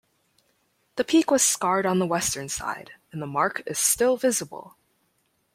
The peak was scarred on the western side, and the mark is still visible.